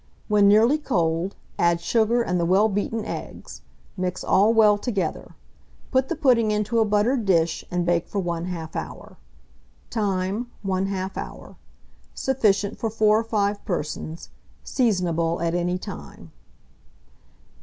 When nearly cold, add sugar and the well beaten eggs; mix all well together; put the pudding into a buttered dish, and bake for 1/2 hour. Time. 1/2 hour. Sufficient for 4 or 5 persons. Seasonable at any time.